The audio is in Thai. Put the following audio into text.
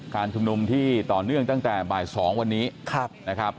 การชุมนุมที่ต่อเนื่องตั้งแต่บ่าย๒วันนี้นะครับ